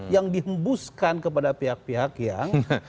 yang dihembuskan kepada pihak pihak yang